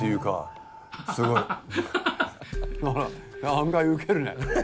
案外受けるね。